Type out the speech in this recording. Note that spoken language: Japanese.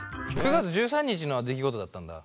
９月１３日の出来事だったんだ。